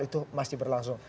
itu masih berlangsung